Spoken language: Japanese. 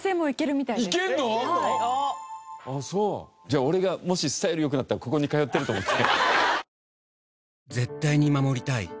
じゃあ俺がもしスタイル良くなったらここに通ってると思って。